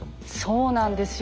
そうなんですよ。